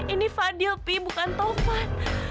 ini fadil pi bukan taufan